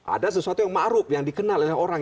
ada sesuatu yang ma'ruf yang dikenal oleh orang